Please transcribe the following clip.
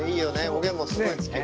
おげんもすごい好き。